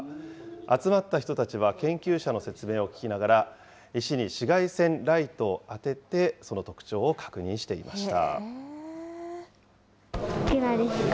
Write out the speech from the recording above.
集まった人たちは、研究者の説明を聞きながら、石に紫外線ライトを当てて、その特徴を確認していました。